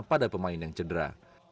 pada pemain yang cedera